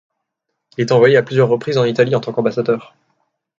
Il est envoyé à plusieurs reprises en Italie en tant qu'ambassadeur.